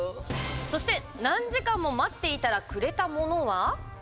そして、何時間も待っていたらくれたものは。